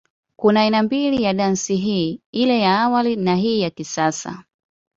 Kuna aina mbili ya dansi hii, ile ya awali na ya hii ya kisasa.